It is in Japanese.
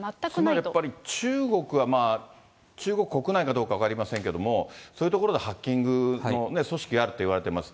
つまりやっぱり、中国は、中国国内かどうか分かりませんけれども、そういうところでハッキングの組織があるといわれてます。